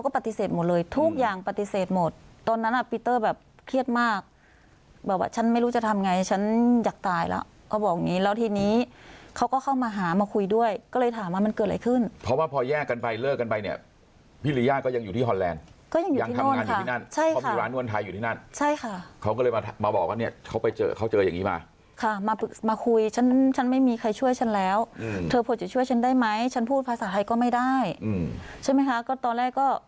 ปฏิเสธหมดเลยทุกอย่างปฏิเสธหมดตอนนั้นอ่ะปีเตอร์แบบเครียดมากแบบว่าฉันไม่รู้จะทำไงฉันอยากตายแล้วเขาบอกอย่างงี้แล้วทีนี้เขาก็เข้ามาหามาคุยด้วยก็เลยถามว่ามันเกิดอะไรขึ้นเพราะว่าพอแยกกันไปเลิกกันไปเนี่ยพิริยาก็ยังอยู่ที่ฮอลแลนด์ก็ยังอยู่ที่โน่นค่ะยังทำงานอยู่ที่นั่นใช่ค่ะเขามีร้